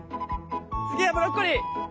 次はブロッコリー。